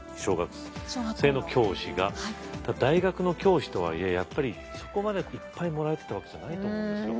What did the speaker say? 大学の教師とはいえやっぱりそこまでいっぱいもらえてたわけじゃないと思うんですよ。